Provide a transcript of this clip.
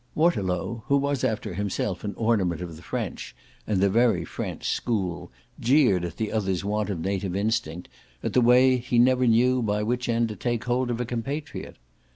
Waterlow, who was after all himself an ornament of the French, and the very French, school, jeered at the other's want of native instinct, at the way he never knew by which end to take hold of a compatriot.